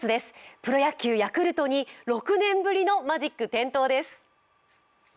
プロ野球、ヤクルトに６年ぶりのマジック点灯です。